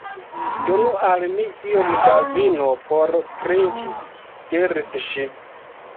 «Donu al mi iom da vino por trinki,» diris ŝi.